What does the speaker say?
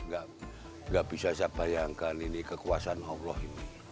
gak bisa saya bayangkan ini kekuasaan allah ini